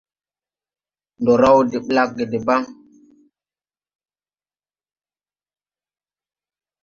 Ndɔ raw de ɓlagge debaŋ.